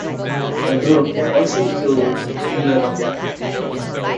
The group also toured in Europe.